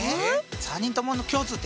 ３人ともの共通点？